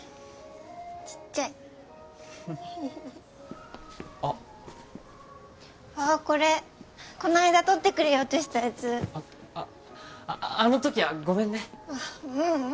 ちっちゃいあっあっこれこの間取ってくれようとしたやつあのときはごめんねううん